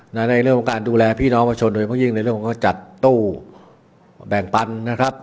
ในเรื่องของการดูแลพี่น้องประชาชนโดยเพราะยิ่งในเรื่องของเขาจัดตู้แบ่งปันนะครับ